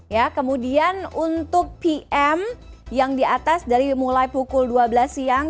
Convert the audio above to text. ya kemudian untuk pm yang di atas dari mulai pukul dua belas siang